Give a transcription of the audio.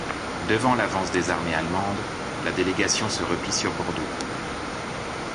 Devant l'avance des armées allemandes, la délégation se replie sur Bordeaux.